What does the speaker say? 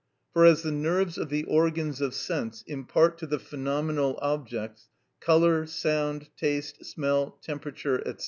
For as the nerves of the organs of sense impart to the phenomenal objects colour, sound, taste, smell, temperature, &c.